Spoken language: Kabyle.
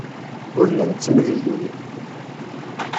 Ur la nettemlelluy.